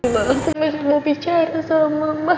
mereka berbicara sama mbak